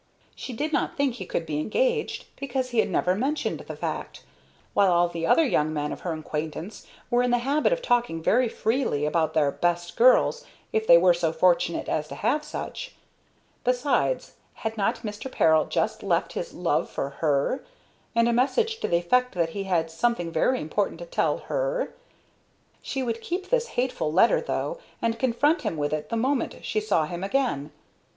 She did not think he could be engaged, because he had never mentioned the fact, while all the other young men of her acquaintance were in the habit of talking very freely about their "best girls," if they were so fortunate as to have such. Besides, had not Mr. Peril just left his love for her, and a message to the effect that he had something very important to tell her? She would keep this hateful letter, though, and confront him with it the moment she saw him again.